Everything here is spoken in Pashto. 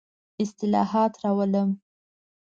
اصلاحات راولم.